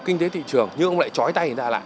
kinh tế thị trường nhưng ông lại trói tay người ta lại